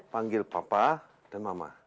panggil papa dan mama